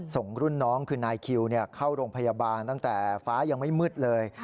ส่งรุ่นน้องคือนายคิวเข้าโรงพยาบาลตั้งแต่ฟ้ายังไม่มืดเลย